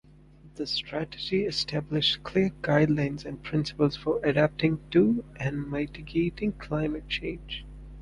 The strategy established clear guidelines and principles for adapting to and mitigating climate change.